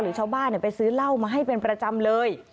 ชาวบ้านไปซื้อเหล้ามาให้เป็นประจำเลย